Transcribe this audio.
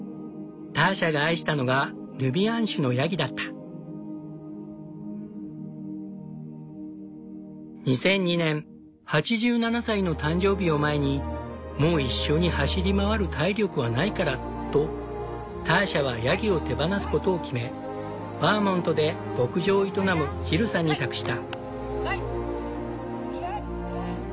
ターシャが愛したのが２００２年８７歳の誕生日を前に「もう一緒に走り回る体力はないから」とターシャはヤギを手放すことを決めバーモントで牧場を営むジルさんに託した。